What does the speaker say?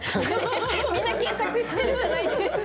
みんな検索してるんじゃないですか。